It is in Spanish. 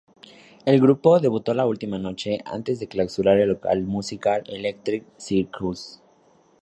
El grupo debutó la última noche antes de clausurar el local musical "Electric Circus".